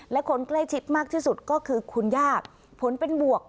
และคนใกล้ชิดมากที่สุดก็คือคุณย่าผลเป็นบวก